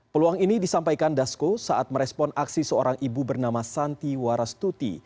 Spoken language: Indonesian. peluang ini disampaikan dasko saat merespon aksi seorang ibu bernama santi warastuti